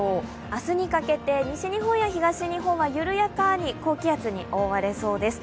明日にかけて、西日本や東日本は緩やかに高気圧に覆われそうです。